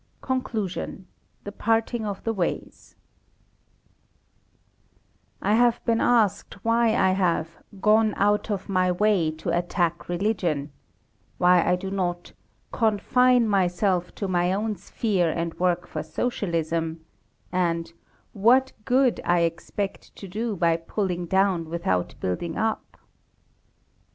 CONCLUSION THE PARTING OF THE WAYS I have been asked why I have "gone out of my way to attack religion," why I do not "confine myself to my own sphere and work for Socialism, and what good I expect to do by pulling down without building up."